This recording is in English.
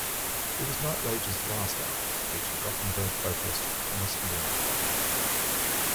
It was Nightrage's last album to feature Gothenburg vocalist Tomas Lindberg.